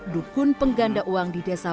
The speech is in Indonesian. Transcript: dukun pengganda uang di desa